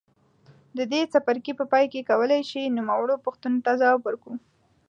د دې څپرکي په پای کې کولای شئ نوموړو پوښتنو ته ځواب ورکړئ.